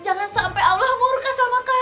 jangan sampai allah murka sama kalian